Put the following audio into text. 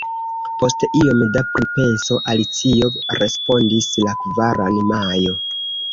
Post iom da pripenso Alicio respondis: la kvaran Majo.